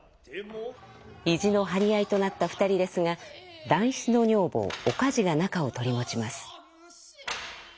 意地の張り合いとなった２人ですが団七の女房お梶が仲を取り持ちます。